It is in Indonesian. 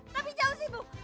tapi jauh sih ibu